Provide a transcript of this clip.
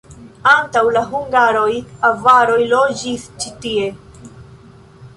Antaŭ la hungaroj avaroj loĝis ĉi tie.